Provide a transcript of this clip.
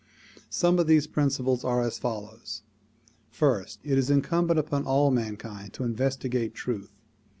Some of these principles are as follows: First; it is incumbent upon all mankind to investigate truth.